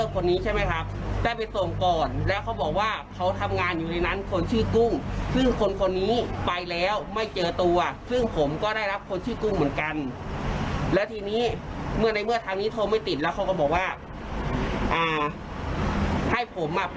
คนชื่อกุ้งนี่คือเป็นผู้แอบอ้างของผู้ที่สั่งอาหารนะครับ